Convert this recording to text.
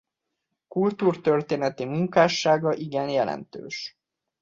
Kultúrtörténeti munkássága igen jelentős.